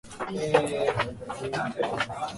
Pekin Noodle Parlor also offered takeout and delivery.